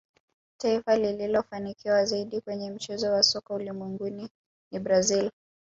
taifa lililofanikiwa zaidi kwenye mchezo wa soka ulimwenguni ni brazil